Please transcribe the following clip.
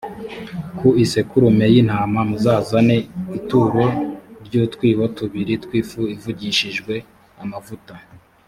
ku isekurume y’intama muzazane ituro ry’utwibo tubiri tw’ifu ivugishijwe amavuta.